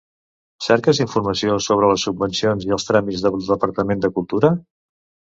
Cerques informació sobre les subvencions i els tràmits del Departament de Cultura?